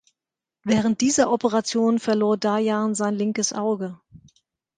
Während dieser Operation verlor Dajan sein linkes Auge.